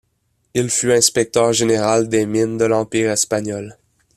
Il fut inspecteur général des mines de l'Empire espagnol.